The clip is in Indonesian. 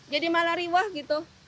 jadi malah riwah gitu